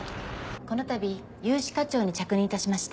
この度融資課長に着任致しました